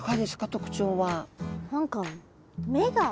特徴は。